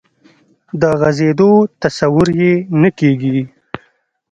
د غځېدو تصور یې نه کېږي.